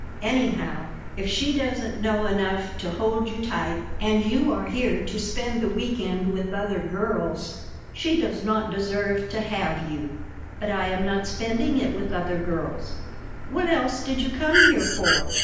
Anyhow, if she doesn't know enough to hold you tight and you are here to spend a week end with other girls, she does not deserve to have you." "But I am not spending it with other girls." "What else did you come here for?"